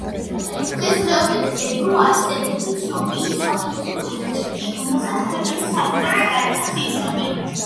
დღესდღეობით ებრუ არის ერთ-ერთი ცნობილი მსახიობი თურქეთში, რომელსაც ქვეყნის საზღვრებს გარეთაც იცნობენ.